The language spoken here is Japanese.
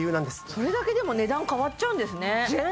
それだけでも値段変わっちゃうんですね